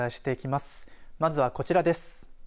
まずはこちらです。